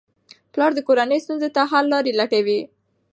پلار د کورنۍ ستونزو ته حل لارې لټوي.